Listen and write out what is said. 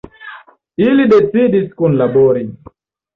Ili decidis kunlabori.